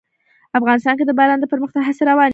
افغانستان کې د باران د پرمختګ هڅې روانې دي.